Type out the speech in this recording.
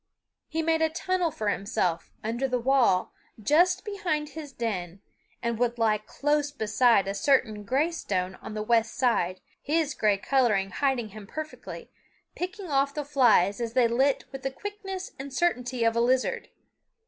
He made a tunnel for himself under the wall, just behind his den, and would lie close beside a certain gray stone on the west side, his gray color hiding him perfectly, picking off the flies as they lit with the quickness and certainty of a lizard.